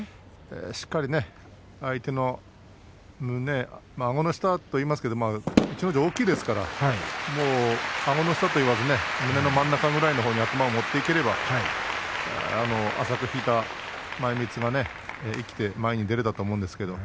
しっかり相手のあごの下といいますけれども逸ノ城は大きいですからあごの下といわず胸の真ん中ぐらいのところに頭を持っていくことができれば浅く引いた前みつが生きて前に出ることができたと思うんです。